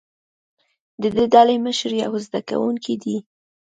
د دې ډلې مشر یو زده کوونکی دی.